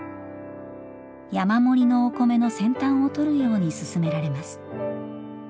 山盛りのお米の先端を取るように勧められます。